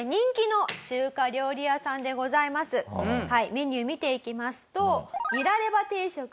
メニュー見ていきますと。